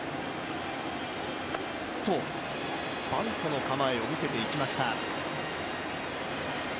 バントの構えを見せていきました。